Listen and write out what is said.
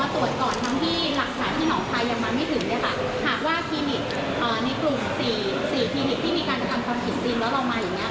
หากว่าทีนิกในกลุ่ม๔ทีนิกที่มีการจะทำความผิดสิ้นแล้วเรามาอย่างนี้